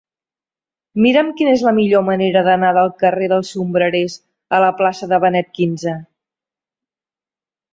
Mira'm quina és la millor manera d'anar del carrer dels Sombrerers a la plaça de Benet XV.